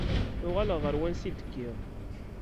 Uɣaleɣ ɣer wansi i d-kkiɣ.